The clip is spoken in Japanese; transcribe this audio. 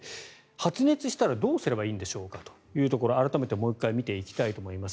発熱したらどうしたらいいんでしょうかというところ改めてもう１回見ていきたいと思います。